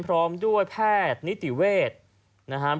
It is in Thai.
พร้อมด้วยแพทย์นิติเวทย์